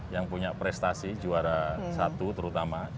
yang punya prestasi juara satu terutama